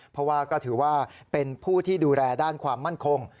เพราะว่าก็ถือว่าเป็นผู้ที่ดูแลด้านความมั่นคง